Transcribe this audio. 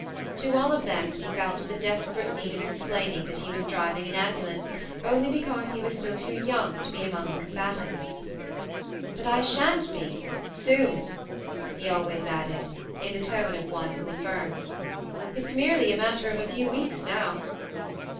To all of them he felt the desperate need of explaining that he was driving 96 THE MARNE an ambulance only because he was still too young to be among the combatants. " But I shan't be soon !" he always added, in the tone of one who affirms. " It's merely a matter of a few weeks now."